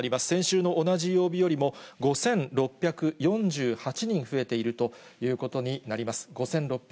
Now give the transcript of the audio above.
先週の同じ曜日よりも５６４８人増えているということになります。